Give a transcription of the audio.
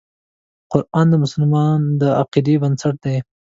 قرآن د مسلمان د عقیدې بنسټ دی.